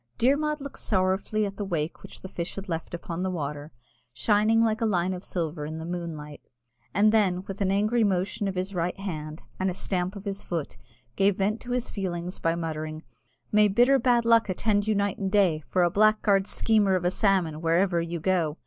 Dermod looked sorrowfully at the wake which the fish had left upon the water, shining like a line of silver in the moonlight, and then, with an angry motion of his right hand, and a stamp of his foot, gave vent to his feelings by muttering, "May bitter bad luck attend you night and day for a blackguard schemer of a salmon, wherever you go!